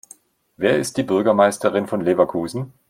Wer ist die Bürgermeisterin von Leverkusen?